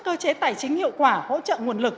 cơ chế tài chính hiệu quả hỗ trợ nguồn lực